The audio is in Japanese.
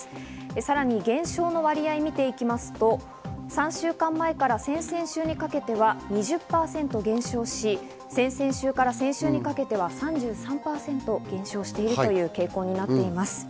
さらに減少の割合を見ていきますと、３週間前から先々週にかけては２０％減少し、先々週から先週にかけては３３％減少しているという傾向になっています。